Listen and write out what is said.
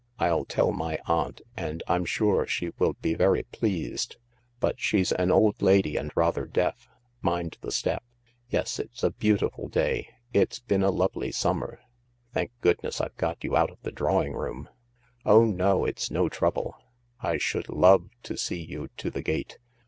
" I'll tellmy aunt, and I'm sure she will be very pleased, but she's an old lady and rather deaf. Mind the step. Yes— it's a beautiful day. It 's been a lovely summer. (Thank goodness I've got you out of the drawing room !) Oh no — it's no trouble, I should love to see you to the gate.